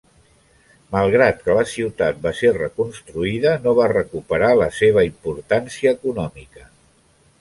Malgrat que la ciutat va ser reconstruïda no va recuperar la seva importància econòmica.